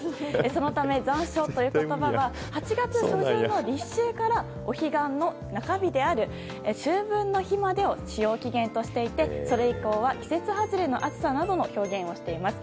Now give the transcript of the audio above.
そのため残暑という言葉は８月初旬の立秋からお彼岸の中日である秋分の日までを使用期限としていてそれ以降は季節外れの暑さなどの表現をしています。